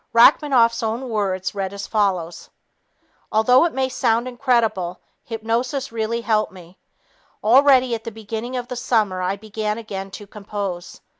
Rachmaninoff's own words read as follows: "Although it may sound incredible, hypnosis really helped me. Already at the beginning of the summer I began again to compose.